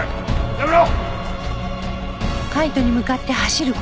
やめろ！